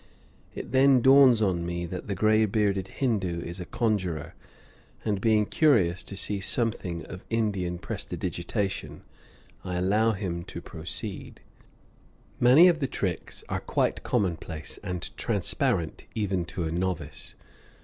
It then dawns upon me that the gray bearded Hindoo is a conjurer; and being curious to see something of Indian prestidigitation, I allow him to proceed. Many of the tricks are quite commonplace and transparent even to a novice.